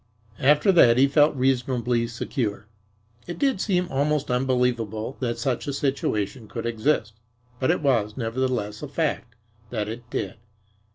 After that he felt reasonably secure. It did seem almost unbelievable that such a situation could exist, but it was, nevertheless, a fact that it did.